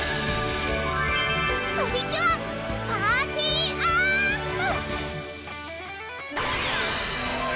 プリキュア・パーティアップ！